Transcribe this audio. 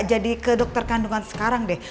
kita jadi ke dokter kandungan sekarang deh